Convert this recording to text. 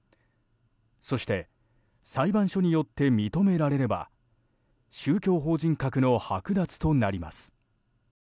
そして裁判所によって認められれば宗教法人格の剥奪となります。